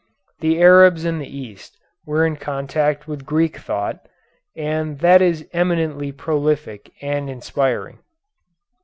The Arabs in the East were in contact with Greek thought, and that is eminently prolific and inspiring.